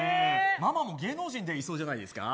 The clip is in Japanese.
ママも芸能人でいそうじゃないですか。